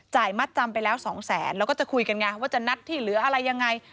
มัดจำไปแล้วสองแสนแล้วก็จะคุยกันไงว่าจะนัดที่เหลืออะไรยังไง